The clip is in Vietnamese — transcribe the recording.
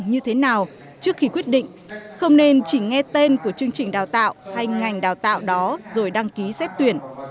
như thế nào trước khi quyết định không nên chỉ nghe tên của chương trình đào tạo hay ngành đào tạo đó rồi đăng ký xét tuyển